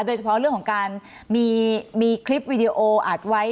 โดยเฉพาะเรื่องของการมีคลิปวิดีโออัดไว้